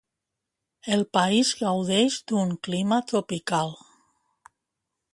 El país gaudeix d'un clima tropical.